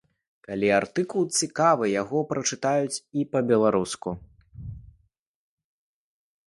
Калі артыкул цікавы, яго прачытаюць і па-беларуску.